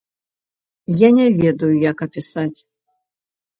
Я не ведаю, як апісаць.